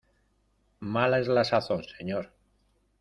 mala es la sazón, señor.